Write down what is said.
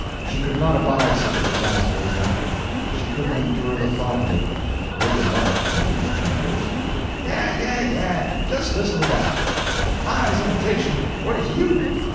She could not abide such a disaster as that; she couldn't endure the thought of it. Her remark amused Chambers: "Yah yah yah! jes listen to dat! If I's imitation, what is you?